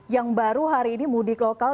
yang baru hari ini mudik lokal